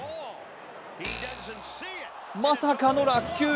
まさかの落球。